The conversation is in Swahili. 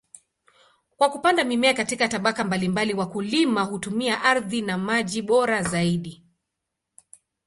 Kwa kupanda mimea katika tabaka mbalimbali, wakulima hutumia ardhi na maji bora zaidi.